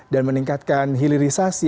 dan meningkatkan hilirisasi